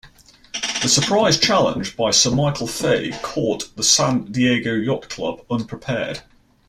The surprise challenge by Sir Michael Fay caught the San Diego Yacht Club unprepared.